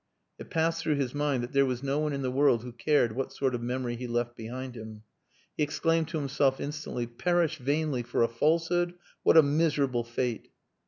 It passed through his mind that there was no one in the world who cared what sort of memory he left behind him. He exclaimed to himself instantly, "Perish vainly for a falsehood!... What a miserable fate!"